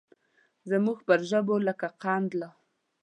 زموږ پر ژبو لکه قند لا